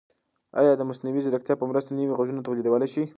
ایا د مصنوعي ځیرکتیا په مرسته نوي غږونه تولیدولای شئ؟